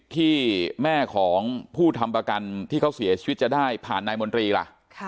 ที่แม่ของผู้ทำประกันที่เขาเสียชีวิตจะได้ผ่านนายมนตรีล่ะ